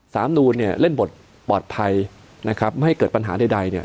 มนูนเนี่ยเล่นบทปลอดภัยนะครับไม่ให้เกิดปัญหาใดเนี่ย